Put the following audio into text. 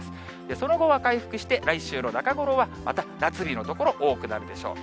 その後は回復して、来週の中頃はまた夏日の所、多くなるでしょう。